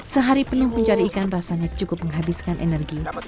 sehari penuh pencari ikan rasanya cukup menghabiskan energi